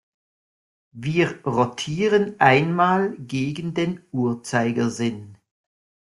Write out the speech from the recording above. Wir rotieren einmal gegen den Uhrzeigersinn.